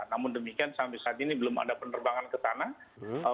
namun demikian sampai saat ini belum ada penerbangan ke tanah